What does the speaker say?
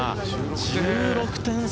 １６点差。